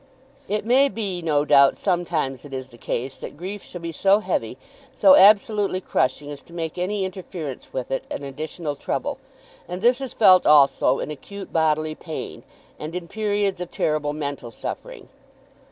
It may be, no doubt sometimes it is the case, that grief shall be so heavy, so absolutely crushing, as to make any interference with it an additional trouble, and this is felt also in acute bodily pain, and in periods of terrible mental suffering.